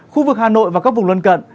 khu vực hà nội và các vùng luân cận